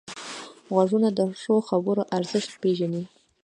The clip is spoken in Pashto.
غوږونه د ښو خبرو ارزښت پېژني